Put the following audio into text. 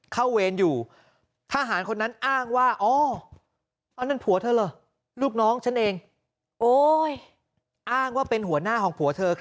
เข้าเว้นอยู่ทหารคนนั้นอ้างว่าเอานั่นผัวเธอเหรอลูกน้องฉันเอง